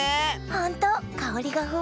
ほんとかおりがふわって。